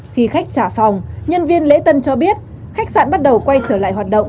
khi khách trả phòng nhân viên lễ tân cho biết khách sạn bắt đầu quay trở lại hoạt động